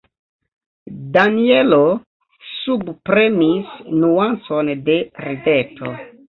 Danjelo subpremis nuancon de rideto.